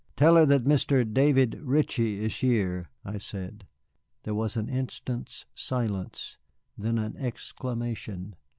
"Tell her that Mr. David Ritchie is here," I said. There was an instant's silence, then an exclamation.